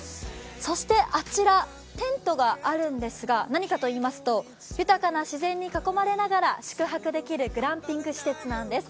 そしてあちら、テントがあるんですが何かといいますと、豊かな自然に囲まれながら宿泊できるグランピング施設なんです。